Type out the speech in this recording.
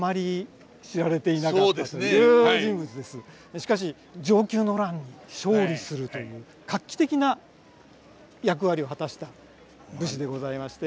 しかし承久の乱で勝利するという画期的な役割を果たした武士でございまして。